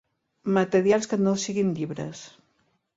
Materials que no siguin llibres.